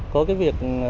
có cái việc